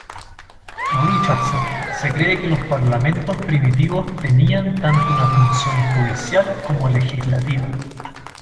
Richardson, se cree que los parlamentos primitivos tenían tanto una función judicial como legislativa.